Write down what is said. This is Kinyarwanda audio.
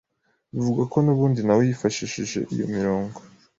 bivugwa ko n’ubundi nawe yifashishije iyo imirongo